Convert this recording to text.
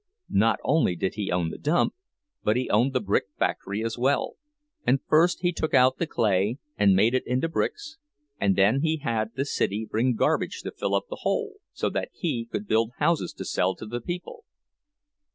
Not only did he own the dump, but he owned the brick factory as well, and first he took out the clay and made it into bricks, and then he had the city bring garbage to fill up the hole, so that he could build houses to sell to the people.